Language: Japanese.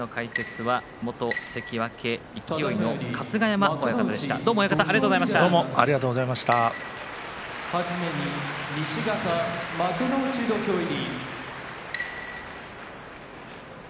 はじめに西方幕内土俵入り。